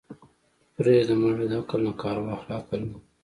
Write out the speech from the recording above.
پرېده مړې د عقل نه کار واخله عقل نه.